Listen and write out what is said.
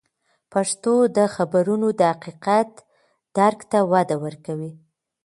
پښتو د خبرونو د حقیقت درک ته وده ورکوي.